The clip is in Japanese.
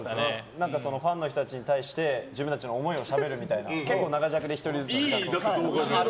ファンの人たちに対して自分たちの思いをしゃべるみたいな結構、長尺で一人ひとり。